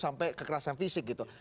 sampai kekerasan fisik gitu